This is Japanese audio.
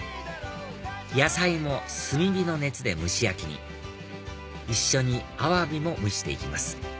野菜も炭火の熱で蒸し焼きに一緒にアワビも蒸して行きます